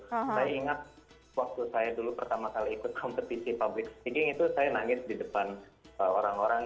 saya ingat waktu saya dulu pertama kali ikut kompetisi public speaking itu saya nangis di depan orang orang